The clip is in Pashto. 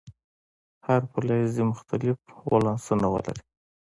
هر فلز دې مختلف ولانسونه ولري.